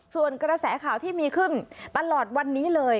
ส่วนกระแสข่าวที่มีขึ้นตลอดวันนี้เลย